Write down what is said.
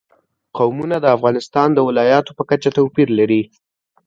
قومونه د افغانستان د ولایاتو په کچه توپیر لري.